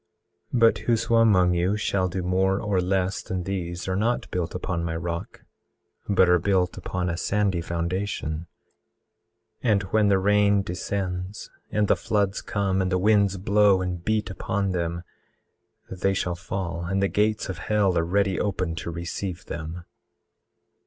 18:13 But whoso among you shall do more or less than these are not built upon my rock, but are built upon a sandy foundation; and when the rain descends, and the floods come, and the winds blow, and beat upon them, they shall fall, and the gates of hell are ready open to receive them.